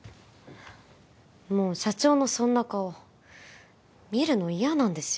もう社長のそんな顔見るの嫌なんですよ